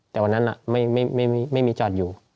แต่วันนั้นไม่มีจอดอยู่